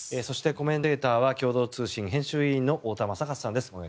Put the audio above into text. そして、コメンテーターは共同通信編集委員の太田昌克さんです。